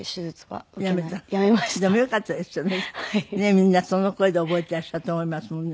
みんなその声で覚えていらっしゃると思いますもんね。